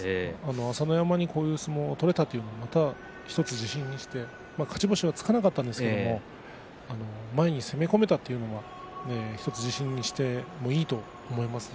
朝乃山にこういう相撲も取れたということは１つ自信にして勝ち星はつかなかったんですが前に攻め込めたというのは１つ自信にしていいと思いますね。